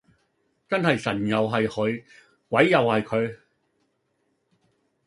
真係神又係佢鬼又係佢